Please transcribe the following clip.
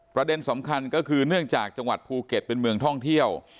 ประเด็นสำคัญก็คือเนื่องจากจังหวัดภูเก็ตเป็นเมืองท่องเที่ยว